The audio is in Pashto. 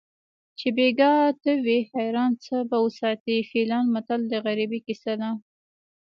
چې بیګا ته وي حیران څه به وساتي فیلان متل د غریبۍ کیسه ده